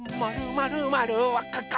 まるまるわっかっか！